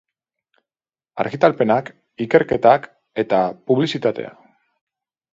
Argitalpenak, ikerketak eta publizitatea.